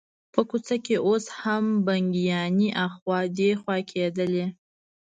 په کوڅه کې اوس هم بګیانې اخوا دیخوا کېدلې.